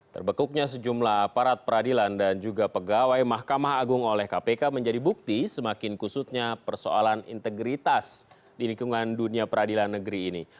terbekuknya sejumlah aparat peradilan dan juga pegawai mahkamah agung oleh kpk menjadi bukti semakin kusutnya persoalan integritas di lingkungan dunia peradilan negeri ini